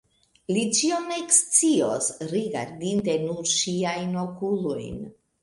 Li ĉion ekscios, rigardinte nur ŝiajn okulojn.